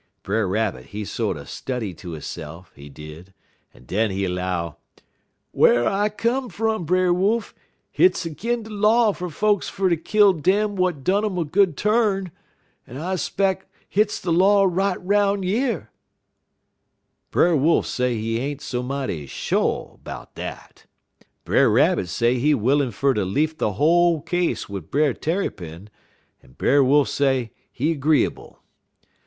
"Brer Rabbit, he sorter study ter hisse'f, he did, en den he 'low: "'Whar I come fum, Brer Wolf, hit's agin' de law fer folks fer to kill dem w'at done done um a good turn, en I 'speck hit's de law right 'roun' yer.' "Brer Wolf say he ain't so mighty sho' 'bout dat. Brer Rabbit say he willin' fer ter lef' de whole case wid Brer Tarrypin, en Brer Wolf say he 'gree'ble.